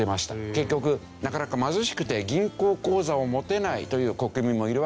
結局なかなか貧しくて銀行口座を持てないという国民もいるわけですけど。